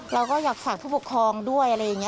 เราก็อยากฝากผู้ปกครองด้วยอะไรอย่างนี้